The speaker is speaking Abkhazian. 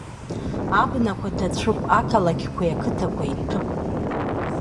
Абнақәа ҭацәып, ақалақьқәеи ақыҭақәеи ҭәып.